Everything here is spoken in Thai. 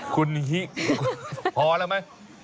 คุณนิฮิพอแล้วไหม